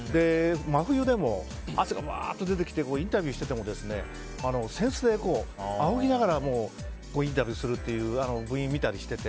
真冬でも汗がワーッと出てきてインタビューしててもセンスで仰ぎながらインタビューするっていう部員を見たりしてて。